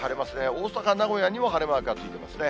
大阪、名古屋にも晴れマークがついていますね。